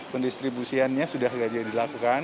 pendistribusiannya sudah gajian dilakukan